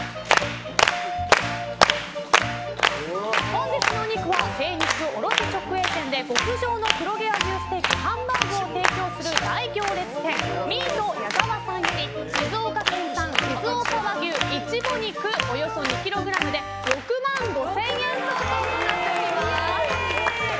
本日のお肉は精肉卸直営店で極上の黒毛和牛ステーキ、ハンバーグを提供する大行列店ミート矢澤さんより静岡県産しずおか和牛イチボ肉およそ２ｋｇで６万５０００円相当になります。